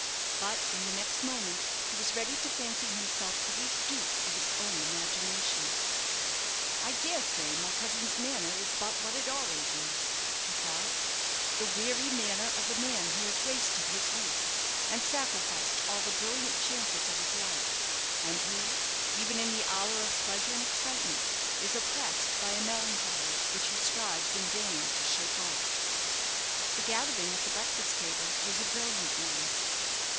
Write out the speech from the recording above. But in the next moment he was ready to fancy himself the weak dupe of his own imagination. "I dare say my cousin's manner is but what it always is," he thought; "the weary manner of a man who has wasted his youth, and sacrificed all the brilliant chances of his life, and who, even in the hour of pleasure and excitement, is oppressed by a melancholy which he strives in vain to shake off." The gathering at the breakfast table was a brilliant one.